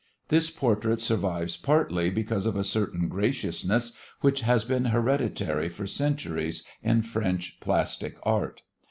This portrait survives partly because of a certain graciousness which has been hereditary for centuries in French plastic art.